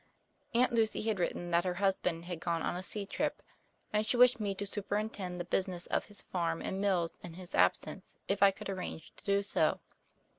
Aunt Lucy had written that her husband had gone on a sea trip and she wished me to superintend the business of his farm and mills in his absence, if I could arrange to do so.